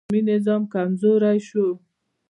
په پایله کې د غلامي نظام کمزوری شو.